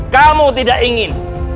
kamu tidak ingin